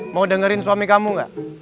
mau dengerin suami kamu gak